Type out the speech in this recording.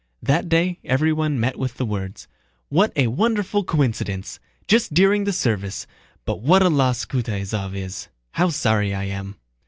That day everyone met with the words: "What a wonderful coincidence! Just during the service. But what a loss Kutáysov is! How sorry I am!"